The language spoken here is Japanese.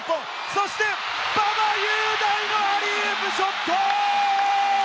そして馬場雄大のアリウープショット！